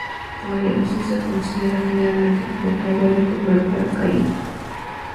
Por eso se considera generalmente como creador del primer paracaídas.